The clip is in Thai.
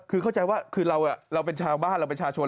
คือเข้าใจว่าคือเราเป็นชาวบ้านเราประชาชน